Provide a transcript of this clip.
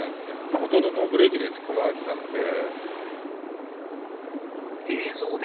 ほとんどノーブレーキで突っ込まれてたので。